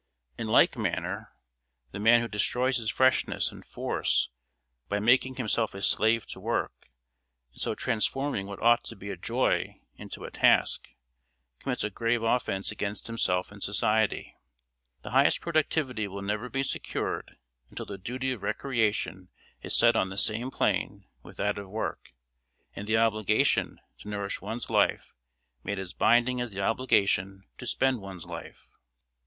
In like manner, the man who destroys his freshness and force by making himself a slave to work and so transforming what ought to be a joy into a task, commits a grave offence against himself and society. The highest productivity will never be secured until the duty of recreation is set on the same plane with that of work, and the obligation to nourish one's life made as binding as the obligation to spend one's life.